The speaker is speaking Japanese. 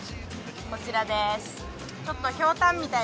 こちらです。